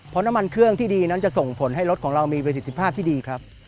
เพราะน้ำมันเครื่องที่ดีนั้นจะส่งผลให้รถของเรามีประสิทธิภาพที่ดีครับ